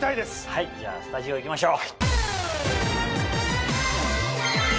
じゃあスタジオ行きましょう。